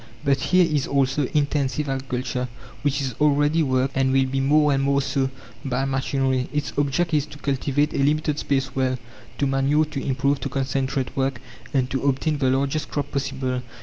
But here is also "intensive" agriculture, which is already worked, and will be more and more so, by machinery. Its object is to cultivate a limited space well, to manure, to improve, to concentrate work, and to obtain the largest crop possible.